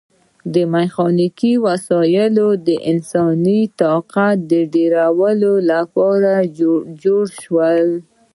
میخانیکي وسایل د انسانانو د طاقت ډیرولو لپاره جوړ شول.